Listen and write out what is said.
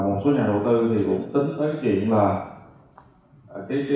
một số nhà đầu tư tính tới chuyện là